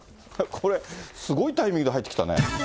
これ、すごいタイミングで入ってきたね。